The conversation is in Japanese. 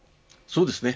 そうですね。